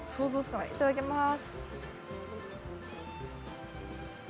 いただきます。